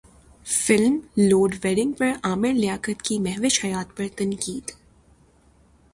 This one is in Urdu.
فلم لوڈ ویڈنگ پر عامر لیاقت کی مہوش حیات پر تنقید